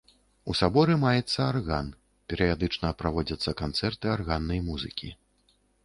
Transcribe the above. У саборы маецца арган, перыядычна праводзяцца канцэрты арганнай музыкі.